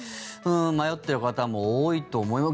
迷っている方も多いと思います。